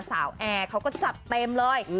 แอร์เขาก็จัดเต็มเลย